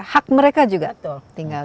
hak mereka juga tinggal